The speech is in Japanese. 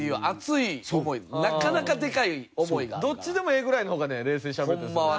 「どっちでもええ」ぐらいの方がね冷静にしゃべれたりする。